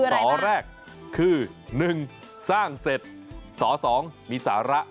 สอแรกคือ๑สร้างเสร็จส๒มีสาระ